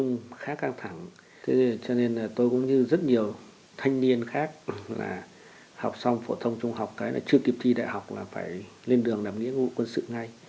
nhiều thanh niên khác là học xong phổ thông trung học cái là chưa kịp thi đại học là phải lên đường làm nghĩa ngũ quân sự ngay